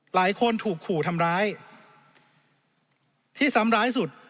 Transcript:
หลายคนถูกขู่ทำร้ายที่ซ้ำร้ายสุด